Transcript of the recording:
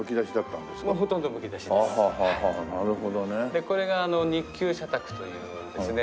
でこれが日給社宅というですね